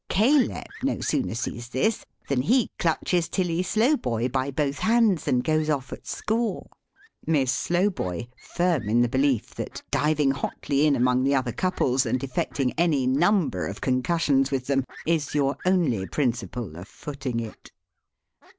Caleb no sooner sees this, than he clutches Tilly Slowboy by both hands and goes off at score; Miss Slowboy, firm in the belief that diving hotly in among the other couples, and effecting any number of concussions with them, is your only principle of footing it.